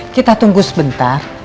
kita tunggu sebentar